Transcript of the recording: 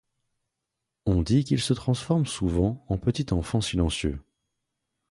On dit qu'il se transforme souvent en petit enfant silencieux.